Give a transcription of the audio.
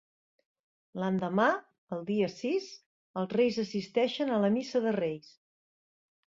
L'endemà, el dia sis, els Reis assisteixen a la Missa de Reis.